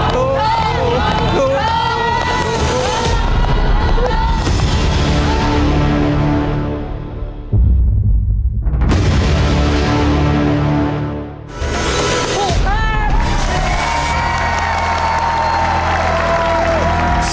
ถูกครับ